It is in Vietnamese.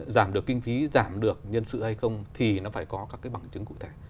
giảm được kinh phí giảm được nhân sự hay không thì nó phải có các cái bằng chứng cụ thể